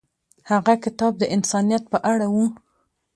هغه کتاب د انسانیت په اړه و.